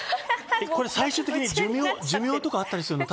最終的に寿命とかあったりするの？